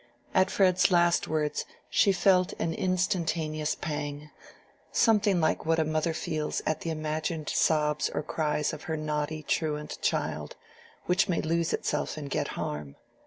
At Fred's last words she felt an instantaneous pang, something like what a mother feels at the imagined sobs or cries of her naughty truant child, which may lose itself and get harm.